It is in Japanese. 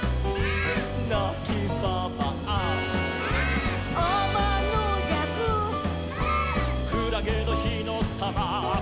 「なきばばあ」「」「あまのじゃく」「」「くらげのひのたま」「」